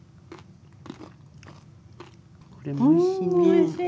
これもおいしいね。